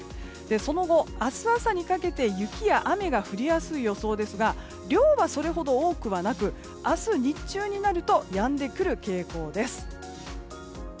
その後、明日朝にかけて雪や雨が降りやすい予想ですが量はそれほど多くはなく明日日中になるとやんでくる傾向です。